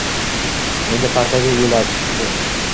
Endi, partiyaviy o‘yladi.